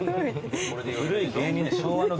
古い芸人。